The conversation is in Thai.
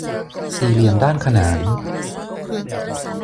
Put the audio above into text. สี่เหลี่ยมด้านขนาน